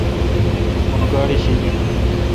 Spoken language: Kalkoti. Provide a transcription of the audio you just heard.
مہ گاڑی شی این۔